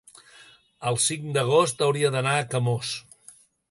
el cinc d'agost hauria d'anar a Camós.